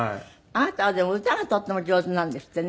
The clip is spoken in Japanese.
あなたはでも歌がとっても上手なんですってね。